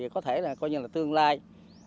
có thể là tương lai